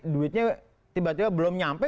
duitnya tiba tiba belum nyampe